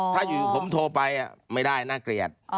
ถ้าอยู่ผมโทรไปไม่ได้น่าเกลียด